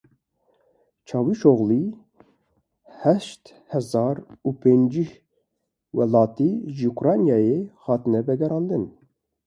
Çavuşoglu heşt hezar û pêncî welatî ji Ukraynayê hatine vegerandin.